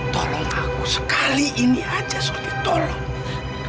tolong aku sekali ini aja seperti tolong